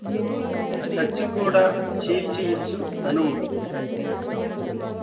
చచ్చి కూడ చీల్చి యిచ్చు తనువు